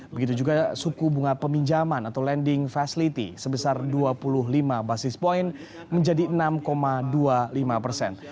begitu juga suku bunga peminjaman atau lending facility sebesar dua puluh lima basis point menjadi enam dua puluh lima persen